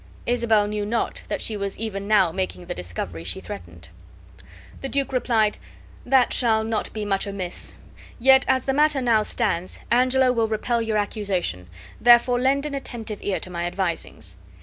Isabel knew not that she was even now making the discovery she threatened. The duke replied: "That shall not be much amiss; yet as the matter now stands, Angelo will repel your accusation; therefore lend an attentive ear to my advisings.